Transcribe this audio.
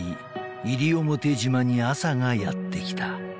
西表島に朝がやって来た］